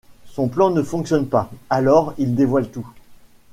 Son plan ne fonctionne pas, alors il dévoile tout.